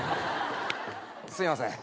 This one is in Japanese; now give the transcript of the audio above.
すいません。